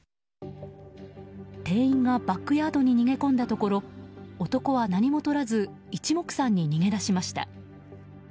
店員がバックヤードに逃げ込んだところ男は何もとらず一目散に逃げ出しました。